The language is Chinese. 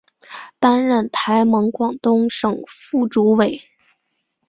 担任台盟广东省副主委。